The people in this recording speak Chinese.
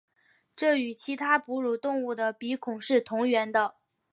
这与其他哺乳动物的鼻孔是同源的。